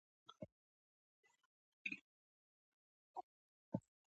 په دې تانده ځوانۍ کې خدای استعداد درکړی.